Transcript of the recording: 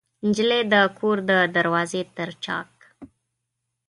نجلۍ د کور د دروازې تر چاک